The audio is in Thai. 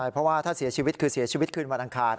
เพราะว่าถ้าเสียชีวิตคือเสียชีวิตคืนวันอังคาร